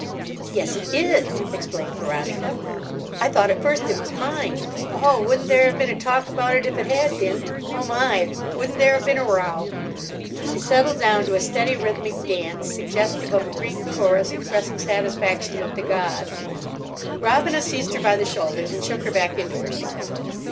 "Yes, it is," explained Veronica. "I thought at first it was mine. Oh, wouldn't there have been a talk about it, if it had been! Oh my! wouldn't there have been a row!" She settled down to a steady rhythmic dance, suggestive of a Greek chorus expressing satisfaction with the gods. Robina seized her by the shoulders and shook her back into herself.